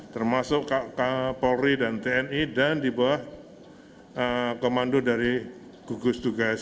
termasuk kapolri dan tni dan di bawah komando dari gugus tugas